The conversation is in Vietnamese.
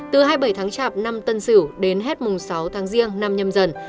từ hai mươi bảy tháng chạp năm tân sửu đến hết mùng sáu tháng riêng năm nhâm dần